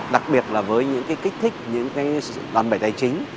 đặc biệt là với những kích thích những đòn bẩy tài chính